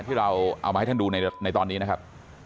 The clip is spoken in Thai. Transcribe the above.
ที่เราเอามาให้ท่านดูในตอนนี้นะครับ